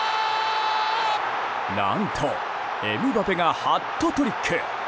何とエムバペがハットトリック。